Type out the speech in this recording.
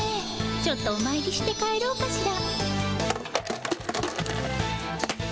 ちょっとおまいりして帰ろうかしら？